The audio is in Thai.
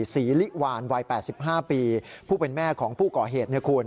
ศรีลิวานวัย๘๕ปีผู้เป็นแม่ของผู้ก่อเหตุ